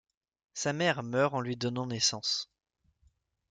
Sa mère meurt en lui donnant naissance.